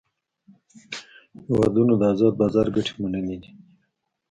هیوادونو د آزاد بازار ګټې منلې دي